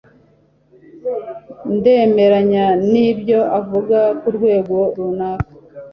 ndemeranya nibyo uvuga kurwego runaka